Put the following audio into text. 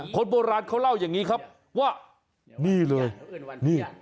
คนโบราณเขาเล่าอย่างนี้ครับว่านี่เลยนี่